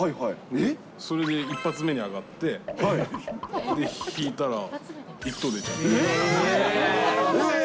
それで１発目に上がって、引いたら、１等出ちゃって。